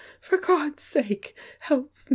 For God's sake, help me!